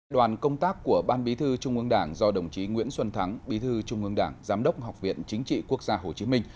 đoàn công tác của ban bí thư trung ương đảng do đồng chí nguyễn xuân thắng bí thư trung ương đảng giám đốc học viện chính trị quốc gia hồ chí minh